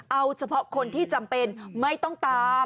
เอาเฉพาะคนที่จำเป็นไม่ต้องตาม